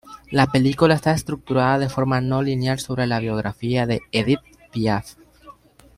La película está estructurada de forma no lineal sobre la biografía de Édith Piaf.